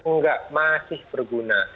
nggak masih berguna